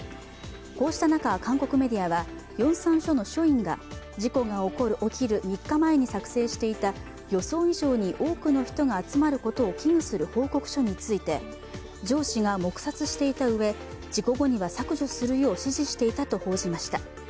こうした中、韓国メディアはヨンサン署の署員が事故が起きる３日前に作成していた予想以上に多くの人が集まることを危惧する報告書について上司が黙殺していたうえ事故後には削除するよう指示していたと報じました。